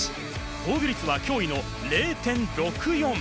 防御率は驚異の０．６４。